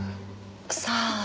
さあ。